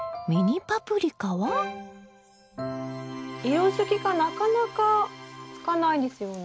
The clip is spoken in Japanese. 色づきがなかなかつかないですよね。